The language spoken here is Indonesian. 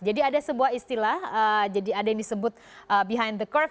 jadi ada sebuah istilah jadi ada yang disebut behind the curve